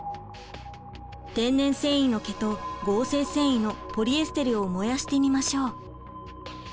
天然繊維の毛と合成繊維のポリエステルを燃やしてみましょう。